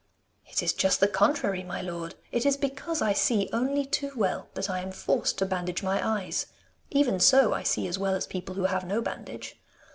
'It is just the contrary, my lord! It is because I see only too well that I am forced to bandage my eyes. Even so I see as well as people who have no bandage.